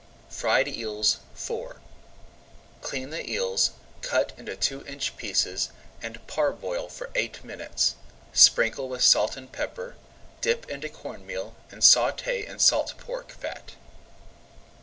FRIED EELS IV Clean the eels, cut into two inch pieces, and parboil for eight minutes. Sprinkle with salt and pepper, dip into corn meal, and sauté in salt pork fat.